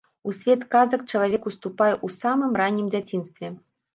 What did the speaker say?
У свет казак чалавек уступае ў самым раннім дзяцінстве.